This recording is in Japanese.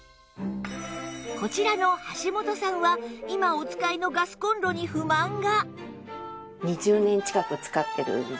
こちらの橋本さんは今お使いのガスコンロに不満が